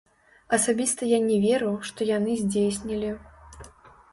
Асабіста я не веру, што яны здзейснілі.